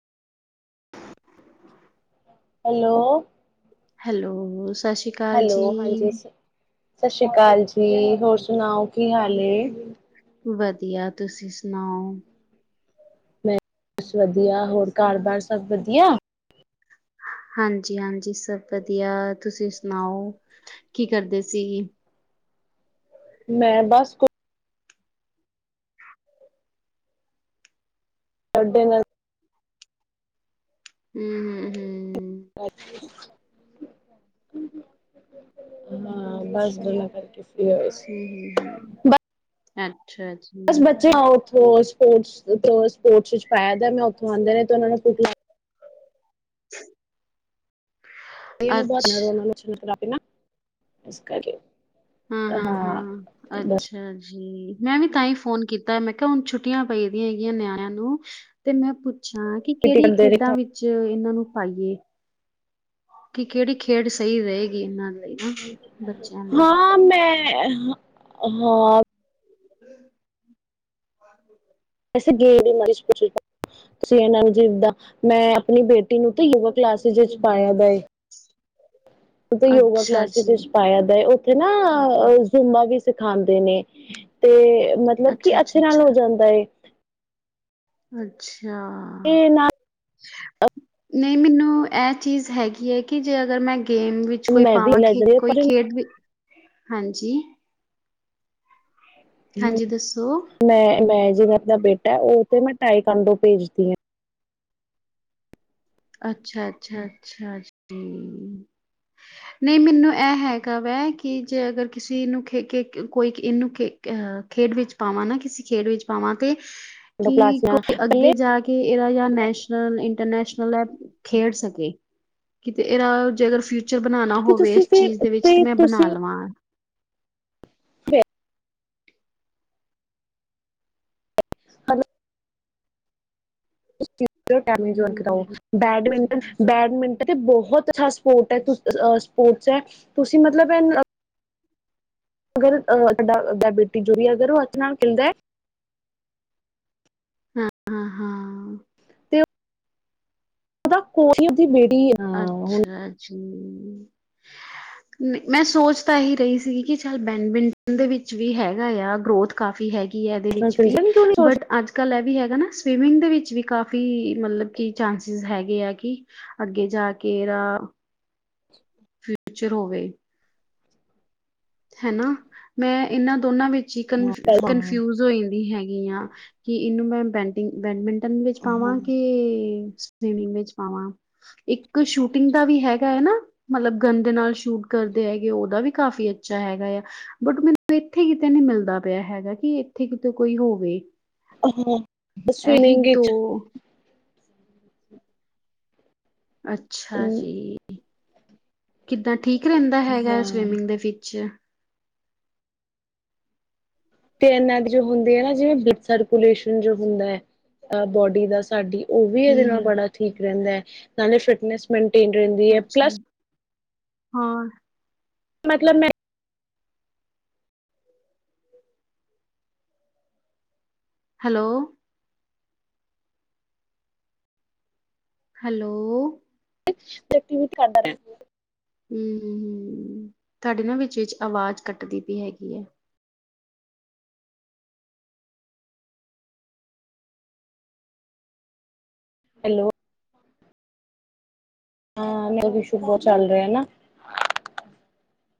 Hello. Hello ਸਸ ਸ੍ਰੀ hello ਹਾਂਜੀ ਸ ਸਸ ਸ੍ਰੀ ਕਾਲ ਜੀ ਹੋਰ ਸੁਣਾਓ ਕੀ ਹਾਲ ਐ। ਵਧੀਆ ਤੁਸੀਂ ਸੁਣਾਓ। ਮੈਂ ਬਸ ਵਧੀਆ, ਹੋਰ ਕਾਰ ਬਾਰ ਸਭ ਵਧੀਆ? ਹਾਂਜੀ-ਹਾਂਜੀ ਸਭ ਵਧੀਆ, ਤੁਸੀਂ ਸੁਣਾਓ ਕੀ ਕਰਦੇ ਸੀ। ਮੈਂ ਬਸ ਕੁਛ ਟੁਡੇ ਨਾਲ ਹੂੰ-ਹੂੰ, ਹੂੰ [inaudible] ਹਾਂ ਬਸ [unintelligible] ਕਰਕੇ ਫ੍ਰੀ ਹੋਏ ਸੀ। ਹੂੰ-ਹੂੰ, ਹੂੰ ਅੱਛਾ ਜੀ। ਬਸ ਬੱਚਿਆਂ ਉਥੋਂ ਸਪੋਰਟਸ-ਸਪੋਰਟਸ ਵਿੱਚ ਪਾਇਆ ਦਾ ਮੈਂ, ਉਥੋਂ ਆਉਂਦੇ ਨੇ ਤੇ ਉਹਨਾ ਨੂੰ ਭੁੱਖ ਲੱਗ [inaudible] ਅੱਛ [unintelligible] ਇਸ ਕਰਕੇ। ਹਾਂ-ਹਾਂ, ਹਾਂ ਅੱਛ ਬਸ ਅੱਛਾ ਜੀ, ਮੈਂ ਵੀ ਤਾਂਹੀ ਫੋਨ ਕੀਤਾ ਮੈਂ ਕਿਹਾ ਹੁਣ ਛੁੱਟੀਆ ਪਈ ਦੀਆ ਹੈਗੀਆ ਨਿਆਣਿਆ ਨੂੰ। ਤੇ ਮੈਂ ਪੁੱਛਾ ਕਿ ਕਿਹੜੀ ਕਰਦੇ ਰਹੇ। ਖੇਡਾਂ ਵਿੱਚ ਇਹਨਾ ਨੂੰ ਪਾਈਏ। ਕਿ ਕਿਹੜੀ ਖੇਡ ਸਹੀ ਰਹੇਗੀ ਇਹਨਾ ਦੇ। ਹਾਂ ਮੈਂ ਹਾਂ-ਹਾਂ। [inaudible] ਤੁਸੀ ਇਹਨਾ ਨੂੰ ਜਿੱਦ ਦਾ ਮੈਂ ਆਪਣੀ ਬੇਟੀ ਨੂੰ ਤਾ ਯੋਗਾ ਕਲਾਸਿਸ ਵਿੱਚ ਪਾਇਆ ਦਾ ਏ। ਪਤਾ ਯੋਗਾ ਅੱਛਾ ਕਲਾਸਿਸ ਜੀ, ਵਿੱਚ ਪਾਇਆ ਦਾ ਏ ਓ ਉੱਥੇ ਨਾ ਓ ਜ਼ੂਮਾ ਵੀ ਸਿਖਾਂਦੇ ਨੇ, ਤੇ ਮਤ ਲਬ ਕਿ ਅੱਛੇ ਅੱਛਾ-ਅੱਛਾ। ਨਾਲ ਹੋ ਜਾਂਦਾ ਏ। ਅੱਛਾ। ਇਹ ਨਾ ਨਈ ਮੈਨੂੰ ਇਹ ਚੀਜ਼ ਹੈਗੀ ਹੈ ਕਿ ਜੇ ਅਗਰ ਮੈਂ ਗੇਮ ਵਿੱਚ ਕੋਈ ਮੈਂ ਵੀ ਪਾਵਾਂ ਲੈ ਖੇਡ ਜਾਂਦੀ ਕੋਈ ਪਰ ਖੇਡ ਵੀ, ਹਾਂਜੀ ਹੂੰ ਹਾਂਜੀ ਦੱਸੋ? ਮੈਂ, ਮੈਂ ਜਿਵੇਂ ਆਪਣਾ ਬੇਟਾ ਉਹ ਤੇ ਮੈਂ ਟਾਈਕਾਂਡੋ ਭੇਜਦੀ ਆ। ਅੱਛਾ-ਅੱਛਾ, ਅੱਛਾ ਜੀ। ਨਈ ਮੈਨੂੰ ਇਹ ਹੈਗਾ ਵਾ ਕਿ ਜੇ ਅਗਰ ਕਿਸੇ ਨੂੰ ਖੇ ਕੇ ਕੋਈ ਇਹਨੂੰ ਖੇ ਖੇਡ ਵਿੱਚ ਪਾਵਾ ਨਾ ਕਿਸੀ ਖੇਡ ਵਿੱਚ ਪਾਵਾ ਤੇ ਕਿ ਕਲਾਸਾਂ ਕੋਈ ਪਹਿਲੇ ਅੱਗੇ ਜਾ ਕੇ ਇਹਦਾ ਯਾ ਨੈਸ਼ ਨਲ ਇੰਟਰਨੈਸ਼ਨਲ ਏਹ ਖੇਡ ਸਕੇ ਕਿਤੇ ਇਹਦਾ ਜੇ ਫਿਊ ਚ ਬਣਾਉਣਾ ਤੇ ਹੋਵੇ ਤੁਸੀਂ ਇਸ ਫਿਰ ਚੀਜ਼ ਦੇ ਵਿੱਚ ਤੇ ਮੈਂ ਬਣਾ ਤੁਸੀਂ ਲਵਾ। [inaudible] ਚੀਜ਼ ਟੈਮੇਜ [unintelligible] ਬੈਡਮਿੰਟਨ-ਬੈਡਮਿੰਟਨ ਤੇ ਬੋਹਤ ਅੱਛਾ ਸਪੋਟ ਹੈ ਸਪੋਰਟਸ ਹੈ। ਤੁਸੀਂ ਮਤਲਬ ਇਹ ਅਗਰ ਅ [inaudible] ਹਾਂ-ਹਾਂ। ਤੇ ਉਹਦਾ [unintelligible] ਬੇਟੀ ਏ ਅੱਛਾ ਜੀ। ਨਈ ਮੈਂ ਸੋਚ ਤਾਂ ਹੀ ਰਈ ਸੀਗੀ ਕਿ ਚੱਲ ਬੈਡਮਿੰਟਨ ਦੇ ਵਿੱਚ ਵੀ ਹੈਗਾ ਆ ਗਰੋਥ ਕਾਫ਼ੀ ਹੈਗੀ। ਬੀ ਹੈ ਇਹਦੇ ਅੱਛੇ ਨਾਲ ਵਿੱਚ ਵੀ ਖੇਲਦਾ ਨਹੀਂ ਕਿਉਂ ਨਹੀਂ ਸੋਚ ਬਟ ਅੱਜ ਅੱਜ ਕੱਲ ਇਹ ਵੀ ਹੈਗਾ ਨਾ ਸਵਿਮਿੰਗ ਦੇ ਵਿੱਚ ਵੀ ਕਾਫੀ ਮਤਲਬ ਕਿ ਚਾਂਸਿਸ ਹੈਗੇ ਆ ਕਿ ਅੱਗੇ ਜਾ ਕੇ ਰਾ [inaudible] ਫਿਊਚਰ ਹੋਵੇ। ਹਨਾ ਮੈਂ ਇਹਨਾਂ ਦੋਨਾਂ ਵਿੱਚ ਹੀ ਕਨ ਪਹਿਲਾਂ ਹਾਂ ਕਨਫਿਊਜ ਹੋ ਜਾਂਦੀ ਹੈਗੀ ਹਾਂ। ਕਿ ਇਹਨੂੰ ਮੈਂ ਬੈਟ ਬੈਡਮਿੰਟਨ ਵਿੱਚ ਪਾਵਾਂ ਕੇ ਸਵਿਮਿੰਗ ਵਿੱਚ ਪਾਵਾਂ। ਇੱਕ ਸ਼ੂਟਿੰਗ ਦਾ ਵੀ ਹੈਗ ਹੈ ਨਾ ਮਤਲਬ ਗੰਨ ਦੇ ਨਾਲ ਸ਼ੂਟ ਕਰਦੇ ਹੈਗੇ ਉਹਦਾ ਵੀ ਕਾਫ਼ੀ ਅ ਬੱਚਾ ਹੈਗਾ ਆ ਬਟ ਮੈਨੂੰ ਇੱਥੇ ਕਿਤੇ ਨਈ ਮਿਲਦਾ ਪਿਆ ਹੈਗਾ ਕਿ ਇੱਥੇ ਕਿਤੇ ਕੋਈ ਹੋਵੇ। ਹਾਂ ਇਹੀ ਸਵਿਮਿੰਗ ਦੋ 'ਚ ਅੱਛਾ ਅਮ, ਜੀ। ਕਿੱਦਾਂ ਠੀਕ ਰੈਂਦਾ ਹੈਗਾ ਹਾਂ ਸਵਿਮਿੰਗ ਦੇ ਵਿੱਚ ਤੇ ਇਹਨਾਂ ਦੀ ਜੋ ਹੁੰਦੇ ਆ ਨਾ ਜਿਵੇਂ ਬਲੱਡ ਸਰਕੂਲੇਸ਼ਨ ਜੋ ਹੁੰਦਾ ਹੈ ਅ ਬੋਡੀ ਦਾ ਸਾਡੀ ਓ ਵੀ ਇਹਦੇ ਹਮ ਨਾਲ ਹਮ ਬੜਾ ਠੀਕ ਰੈਂਦਾ ਹੈ ਨਾਲੇ ਫਿਟਨੈਸ ਮੇਨਟੇਨ ਰੈਂਦੀ। ਅੱਛਾ ਹੋਰ ਮਤਲਬ ਮੈਂ ਹੈਲੋ ਹੈਲੋ [unintelligible] ਵੀ ਕਰਦਾ ਰਿ ਹੂੰ ਤੁਹਾਡੀ ਨਾ ਵਿੱਚ-ਵਿਚ ਆਵਾਜ਼ ਕੱਟਦੀ ਪਈ ਹੈਗੀ ਹੈ। ਹੈਲੋ ਹਾਂ ਮੈਂ ਵੀ ਸ਼ੂ ਬੋ ਚੱਲ ਰਿਆ ਨਾ।